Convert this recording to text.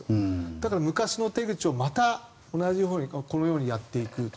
だから昔の手口をまた同じようにこのようにやっていく。